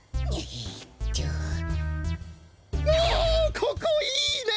ここいいね！